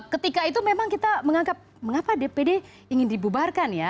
ketika itu memang kita menganggap mengapa dpd ingin dibubarkan ya